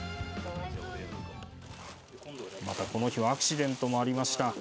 また、この日はアクシデントもありました。